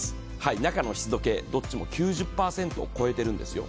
中の湿度計、どっちも９０％以上を超えているんですよ。